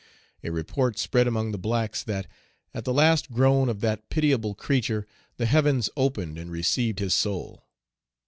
A report spread among the blacks, that, at the last groan of that pitiable creature, the heavens opened and received his soul.